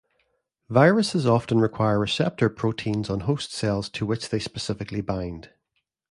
Viruses often require receptor proteins on host cells to which they specifically bind.